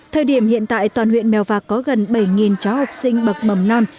thời điểm hiện tại toàn huyện mèo vạc có gần bảy cháu học sinh bậc mầm non